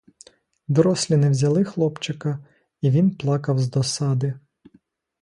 Дорослі не взяли хлопчика, і він плакав з досади.